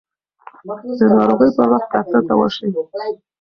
د ناروغۍ پر وخت ډاکټر ته ورشئ.